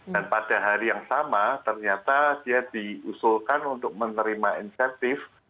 dan pada hari yang sama ternyata dia diusulkan untuk menerima insentif